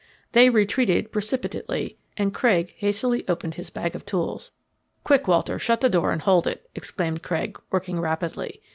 They retreated precipitately, and Craig hastily opened his bag of tools. "Quick, Walter, shut the door and hold it," exclaimed Craig, working rapidly.